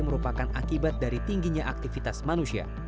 merupakan akibat dari tingginya aktivitas manusia